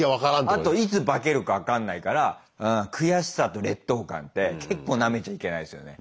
あといつ化けるか分かんないからうん悔しさと劣等感って結構なめちゃいけないですよね。